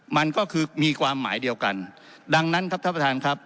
มันก็คือมีความหมายเดียวกันดังนั้นครับท่านประธานครับ